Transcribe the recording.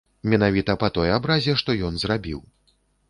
Менавіта па той абразе, што ён зрабіў.